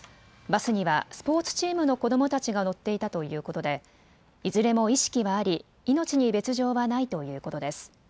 バスにはスポーツチームの子どもたちが乗っていたということでいずれも意識はあり命に別状はないということです。